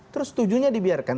terus tujuannya dibiarkan